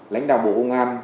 lãnh đạo bộ công an